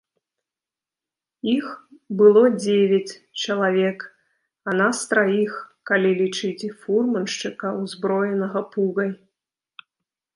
Іх было дзевяць чалавек, а нас траіх, калі лічыць і фурманшчыка, узброенага пугай.